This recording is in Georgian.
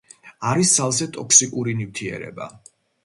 არის ძალზე ტოქსიკური ნივთიერება.